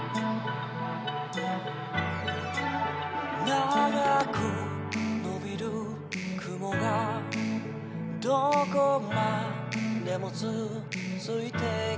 「長く伸びる雲がどこまでも続いていく」